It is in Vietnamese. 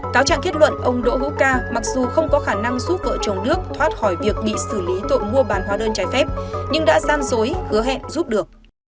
cáo trạng kết luận ông đỗ hữu ca mặc dù không có khả năng giúp vợ chồng đức thoát khỏi việc bị xử lý tội mua bán hóa đơn trái phép nhưng đã gian dối hứa hẹn giúp được